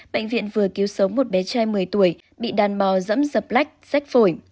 bệnh viện vừa cứu sống một bé trai một mươi tuổi bị đàn bò dẫm dập lách rách phổi